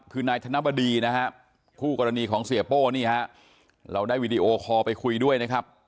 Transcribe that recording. คือนายธนบดีนะฮะคู่กรณีของเสียโป้นี่ฮะเราได้วีดีโอคอลไปคุยด้วยนะครับ